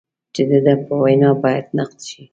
چې د ده په وینا باید نقد شي.